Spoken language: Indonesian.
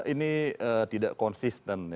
ini tidak konsisten